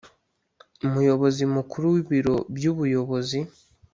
Umuyobozi Mukuru w Ibiro by Ubuyobozi